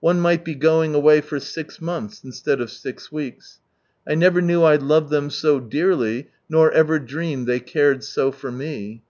One might be going away for six years instead of six weeks. I never knew I loved ihem so dearly, nor ever dreamed they cared so for me.